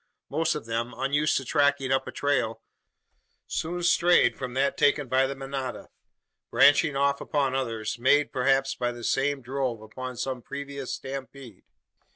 Most of them, unused to tracking up a trail, soon strayed from that taken by the manada; branching off upon others, made, perhaps, by the same drove upon some previous stampede.